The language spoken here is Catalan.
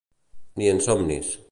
Ni en somnis.